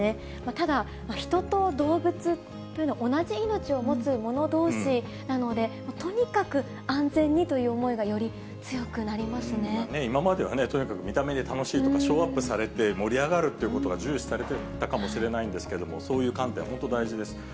ただ、人と動物というのは同じ命を持つ者どうしなので、とにかく安全に今まではね、とにかく見た目で楽しいとか、ショーアップされて盛り上がるっていうことが重視されてきたかもしれないんですけれども、そういう観点、本当大事です。